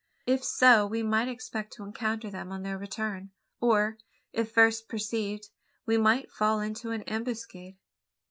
If so we might expect to encounter them on their return; or, if first perceived, we might fall into an ambuscade.